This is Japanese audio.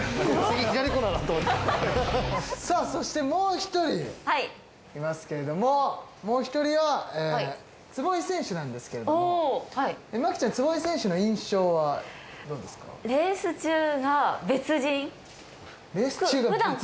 さあそしてもう一人いますけれどももう一人は坪井選手なんですけれども麻希ちゃん坪井選手の印象はどうですか？